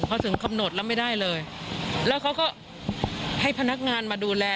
พอถึงกำหนดแล้วไม่ได้เลยแล้วเขาก็ให้พนักงานมาดูแล